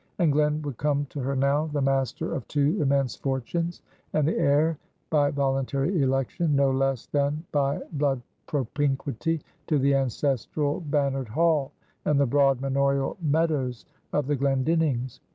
And Glen would come to her now the master of two immense fortunes, and the heir, by voluntary election, no less than by blood propinquity, to the ancestral bannered hall, and the broad manorial meadows of the Glendinnings.